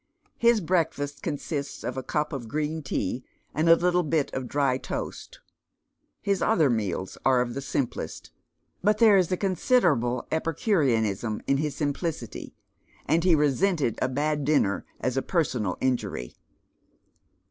His breakfast consists of a cup of gi een tea and a little bit of dry toast. His other meals are of the simplest. But there fs considerable epicureanism in his simplicity, and he resented a bad diimer as a personal injury.